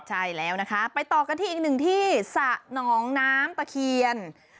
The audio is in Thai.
ใช่แล้วนะคะไปต่อกันที่อีกหนึ่งที่สระหนองน้ำตะเคียน